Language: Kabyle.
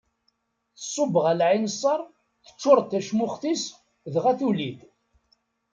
Tṣubb ɣer lɛinseṛ, teččuṛ-d tacmuxt-is dɣa tuli-d.